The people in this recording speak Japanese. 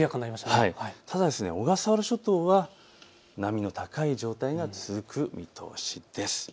ただ小笠原諸島は波の高い状態が続く見通しです。